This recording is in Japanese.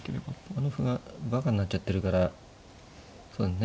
あの歩がバカになっちゃってるからそうね